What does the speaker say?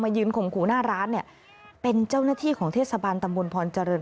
ยืนข่มขู่หน้าร้านเนี่ยเป็นเจ้าหน้าที่ของเทศบาลตำบลพรเจริญ